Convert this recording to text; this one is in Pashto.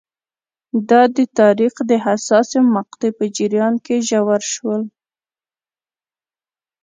دا د تاریخ د حساسې مقطعې په جریان کې ژور شول.